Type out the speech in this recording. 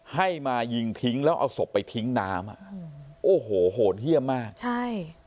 ให้มายิงทิ้งแล้วเอาศพไปทิ้งน้ำอ่ะโอ้โหโหดเยี่ยมมากใช่